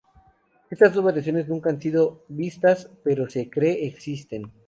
Estas dos variaciones nunca han sido vistas, pero se cree existen.